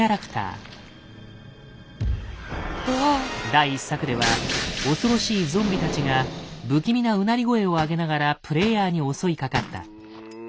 第１作では恐ろしいゾンビたちが不気味なうなり声を上げながらプレイヤーに襲いかかった。